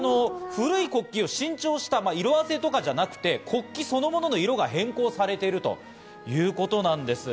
古い国旗を新調した色褪せとかじゃなくて国旗そのものの色が変更されているということなんです。